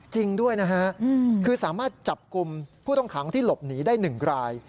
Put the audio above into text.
จริงด้วยนะฮะคือสามารถจับกลุ่มผู้ต้องขังที่หลบหนีได้๑ราย